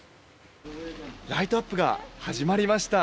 ライトアップが始まりました。